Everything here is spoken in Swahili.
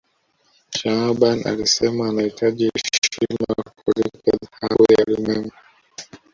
shaaban alisema anahitaji heshima kuliko dhahabu ya ulimwengu